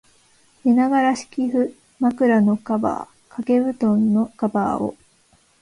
寝ながら、敷布、枕のカバー、掛け蒲団のカバーを、